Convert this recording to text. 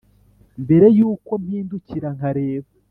mbere yuko mpindukira nkareba